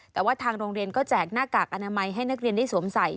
แต่ว่าทางโรงเรียนก็แจกหน้ากากอนามัยให้นักเรียนได้สวมใส่